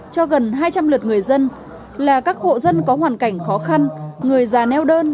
cho gần hai trăm linh lượt người dân là các hộ dân có hoàn cảnh khó khăn người già neo đơn